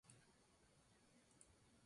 Los ingredientes son muy discutibles.